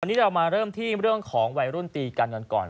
วันนี้เรามาเริ่มที่เรื่องของวัยรุ่นตีกันกันก่อน